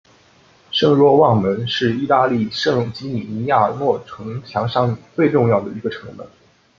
圣若望门是意大利圣吉米尼亚诺城墙上最重要的一个城门。